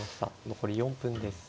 残り４分です。